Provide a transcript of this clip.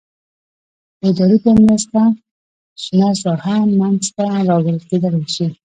د ادارې په مرسته شنه ساحه منځته راوړل کېدلای شي.